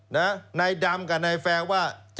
นายดำกับนายแฟร์ว่า